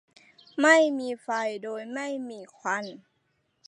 ไม่มีไฟโดยไม่มีควัน